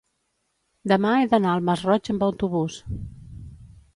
demà he d'anar al Masroig amb autobús.